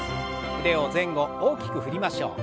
腕を前後大きく振りましょう。